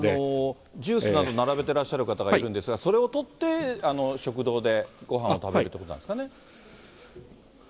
今、ジュースなど並べていらっしゃる方いるんですが、それを取って食堂でごはんを食べるということなんですかね？